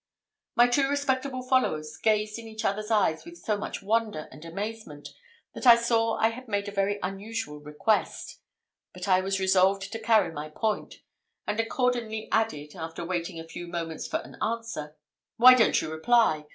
My two respectable followers gazed in each other's eyes with so much wonder and amazement, that I saw I had made a very unusual request; but I was resolved to carry my point; and accordingly added, after waiting a few moments for an answer, "Why don't you reply?